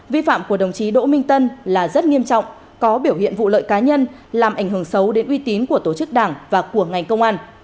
vi phạm của đồng chí đỗ minh tân là rất nghiêm trọng có biểu hiện vụ lợi cá nhân làm ảnh hưởng xấu đến uy tín của tổ chức đảng và của ngành công an